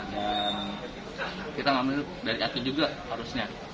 dan kita ngambil dari aku juga arusnya